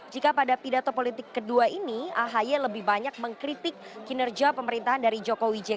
jika pada pidato politik kedua ini ahy lebih banyak mengkritik kinerja pemerintahan dari jokowi jk